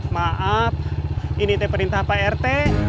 maaf ini perintah pak rt